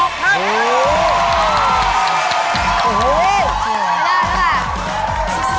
ไม่ได้แล้วแหละ